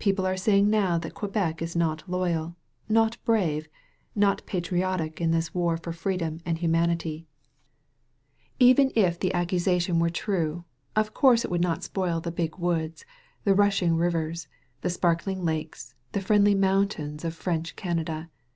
People are saying now that Quebec is not loyal, not brave, not patriotic in this war for freedom and humanity. 161 THE VALLEY OF VISION Even if the accusation were true, of course it would not spoil the big woods, the rushing rivers, the sparkling lakes, the friendly mountains of French Canada.